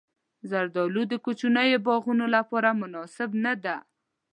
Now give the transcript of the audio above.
زردالو د کوچنیو باغونو لپاره مناسبه ونه ده.